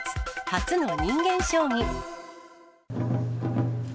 初の人間将棋。